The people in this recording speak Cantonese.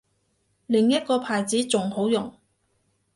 另一個牌子仲好用